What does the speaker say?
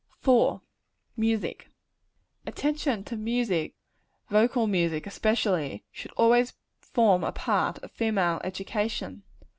IV. Music. Attention to music vocal music, especially should always form a part of female education.